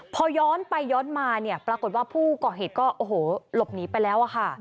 พอย้อนไปย้อนมาปรากฏว่าผู้ก่อเหตุก็หลบหนีไปแล้วค่ะ